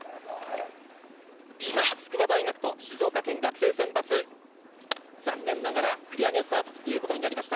今、筑波大学と静岡県学生選抜残念ながら繰り上げスタートということになりました。